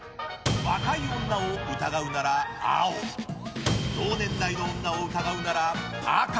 若い女を疑うなら青同年代の女を疑うなら赤。